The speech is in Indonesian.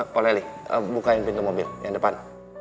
pak leli bukain pintu mobil yang depan